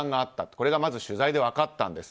これがまず取材で分かったんです。